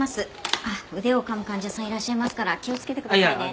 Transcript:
あっ腕をかむ患者さんいらっしゃいますから気をつけてくださいね。